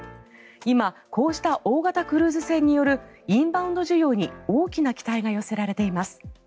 今こうした大型クルーズ船によるインバウンド需要に大きな期待が寄せられています。